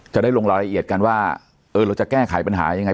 จะได้ลงรายละเอียดกันว่าเออเราจะแก้ไขปัญหายังไง